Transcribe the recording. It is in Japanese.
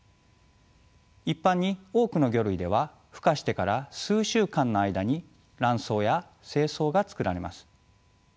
一般に多くの魚類ではふ化してから数週間の間に卵巣や精巣が作られます。